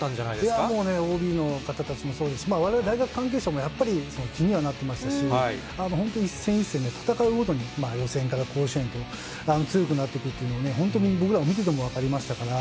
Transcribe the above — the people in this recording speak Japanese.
いやー、もうね、ＯＢの方たちもそうですし、われわれ、大学関係者も、やっぱり気にはなってましたし、本当に一戦一戦ね、戦うごとに予選から甲子園と、強くなっていくというのはね、本当に僕らが見てても分かりましたから。